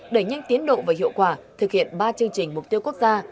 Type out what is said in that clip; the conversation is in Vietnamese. đẩy nhanh tiến độ và hiệu quả thực hiện ba chương trình mục tiêu quốc gia